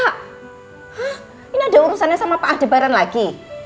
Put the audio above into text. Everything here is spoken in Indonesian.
ha ini ada urusannya sama pak ahdebaran lagi